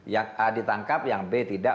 yang a ditangkap yang b tidak